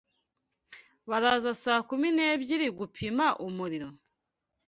Baraza saa kumi n'ebyiri gupima umuriro?